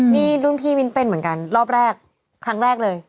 นี่รุ่นพี่มิ้นเป็นเหมือนกันรอบแรกครั้งแรกเลย